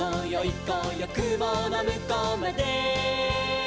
こうよくものむこうまで」